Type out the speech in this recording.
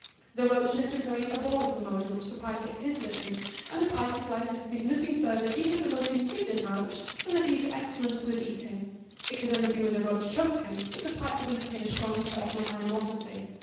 The roach necessarily abhors the mode in which the pike gets his living, and the pike is likely to think nothing further even of the most indignant roach than that he is excellent good eating; it could only be when the roach choked him that the pike could entertain a strong personal animosity.